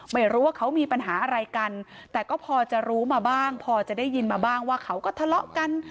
ไม่รู้ว่าเขามีปัญหาอะไรกันแต่ก็พอจะรู้มาบ้างพอจะได้ยินมาบ้างว่าเขาก็ทะเลาะกัน